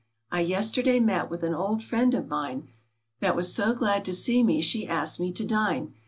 I yesterday met with an old friend of mine, That was so glad to see me she asked me to dine.